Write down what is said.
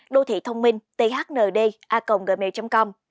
đô thị thông minh thnda gmail com